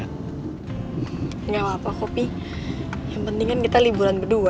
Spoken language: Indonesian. punya apa kopi yang penting kan kita liburan berdua